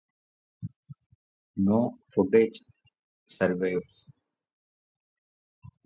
No footage survives.